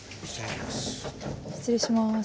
失礼します。